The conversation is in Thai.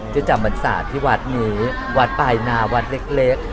จะจำบรรษาที่วัดนี้วัดปลายนาวัดเล็ก